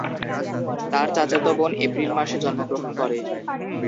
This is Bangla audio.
তার চাচাতো বোন এপ্রিল মাসে জন্মগ্রহণ করে।